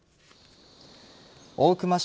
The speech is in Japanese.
大熊翔